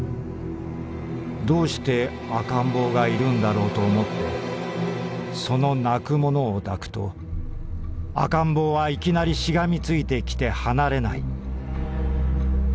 どうして赤ん坊がいるんだろうと思ってその泣く者を抱くと赤ん坊はいきなりしがみついてきて離れない」。